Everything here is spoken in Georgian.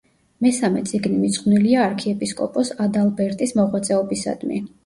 მესამე წიგნი მიძღვნილია არქიეპისკოპოს ადალბერტის მოღვაწეობისადმი.